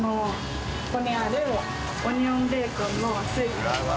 ここにあるオニオンベーコンのスープです。